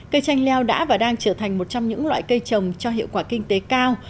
cây chanh leo đã và đang trở thành một trong những loại cây trồng cho hiệu quả kinh tế cao